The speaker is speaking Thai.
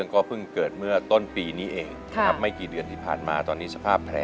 คุณคุณครับ